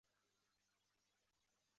卒年七十二。